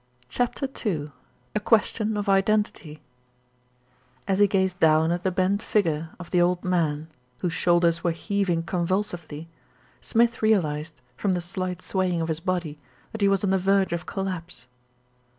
CHAPTER II A QUESTION OF IDENTITY A he gazed down at the bent figure of the old man, whose shoulders were heaving convul sively, Smith realised, from the slight swaying of his body, that he was on the verge of collapse.